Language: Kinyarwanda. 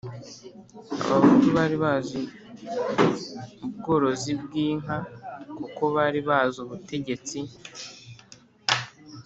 abahutu bari bazi ubworozi bw'inka, ko bari bazi ubutegetsi